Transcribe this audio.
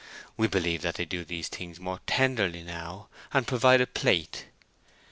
(We believe that they do these things more tenderly now, and provide a plate.)